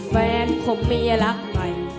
แฟนผมมีรักใหม่